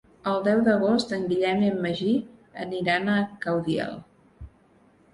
El deu d'agost en Guillem i en Magí aniran a Caudiel.